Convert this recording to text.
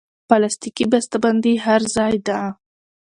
پلاستيکي بستهبندي هر ځای ده.